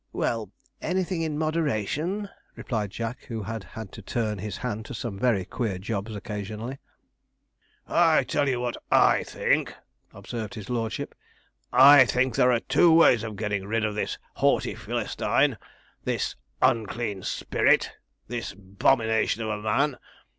'Well, anything in moderation,' replied Jack, who had had to turn his hand to some very queer jobs occasionally. 'I'll tell you what I think,' observed his lordship. 'I think there are two ways of getting rid of this haughty Philistine this unclean spirit this 'bomination of a man.